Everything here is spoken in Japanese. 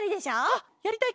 あっやりたいケロ！